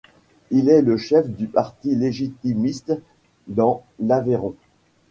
Il est le chef du parti légitimiste dans l'Aveyron.